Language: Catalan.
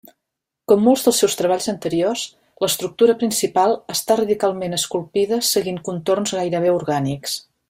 Com molts dels seus treballs anteriors l'estructura principal està radicalment esculpida seguint contorns gairebé orgànics.